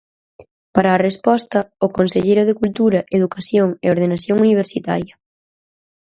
Para a resposta, o conselleiro de Cultura, Educación e Ordenación Universitaria.